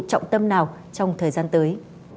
trọng tâm nào trong thời gian tới